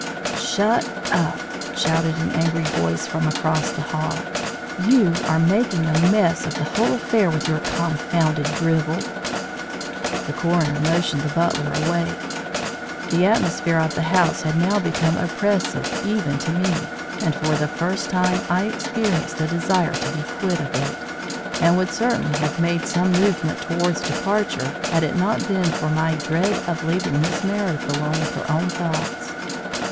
"Shut up!" shouted an angry voice from across the hall. "You are making a mess of the whole affair with your confounded drivel." The coroner motioned the butler away. The atmosphere of the house had now become oppressive even to me, and for the first time I experienced a desire to be quit of it, and would certainly have made some movement towards departure had it not been for my dread of leaving Miss Meredith alone with her own thoughts.